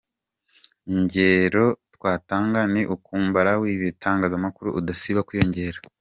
Ingero twatanga ni nk’umubare w’ibitangazamakuru udasiba kwiyongera.